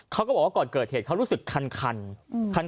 เขาก็บอกว่าก่อนเกิดเหตุเขารู้สึกคัน